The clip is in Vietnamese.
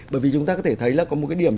bởi vì chúng ta có thể thấy là có một cái điểm